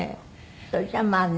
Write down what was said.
それじゃあまあね。